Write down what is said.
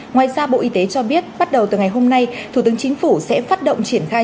ngoài ra bộ y tế cho biết bắt đầu từ ngày hôm nay thủ tướng chính phủ sẽ phát động triển khai